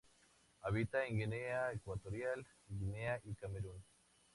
Habita en Guinea Ecuatorial, Guinea y Camerún.